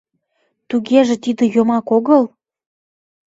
— Тугеже тиде йомак огыл?